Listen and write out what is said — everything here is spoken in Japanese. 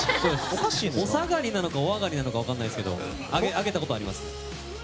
おさがりなのかおあがりなのか分からないですけど上げたことあります。